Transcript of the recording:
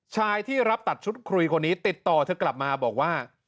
ชายที่รับตัดชุดคุยคนนี้ติดต่อเธอกลับมาบอกว่า